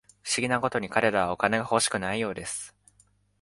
不思議なことに、彼らはお金が欲しくないようです